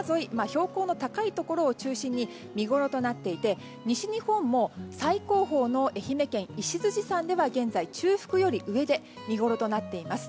標高の高いところを中心に見ごろとなっていて西日本も最高峰の愛媛県の石鎚山では現在、中腹より上で見ごろとなっています。